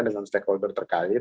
dengan stakeholder terkait